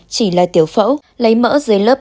chỉ là tiểu phẫu lấy mỡ dưới lớp